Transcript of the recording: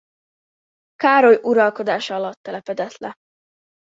Károly uralkodása alatt telepedett le.